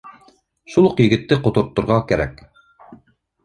— Шул уҡ егетте ҡоторторға кәрәк